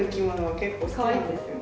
結構好きなんですよね。